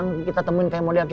nggak ini pa kena ambil